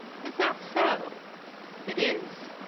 "'Is that so?' "'It is.